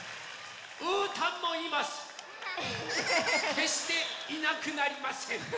けっしていなくなりません。